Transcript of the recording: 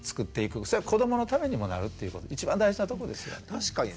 それは子どものためにもなるっていうこと一番大事なとこですよね。